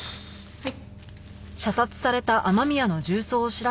はい。